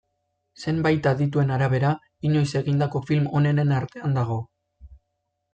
Zenbait adituen arabera, inoiz egindako film onenen artean dago.